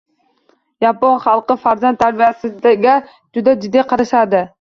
Yapon xalqi farzand tarbiyasiga juda jiddiy qarashadi.